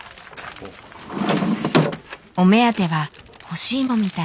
お目当ては干しいもみたい。